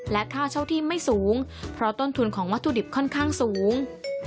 และค่าเช่าที่ไม่สูงเพราะต้นทุนของวัตถุดิบค่อนข้างสูง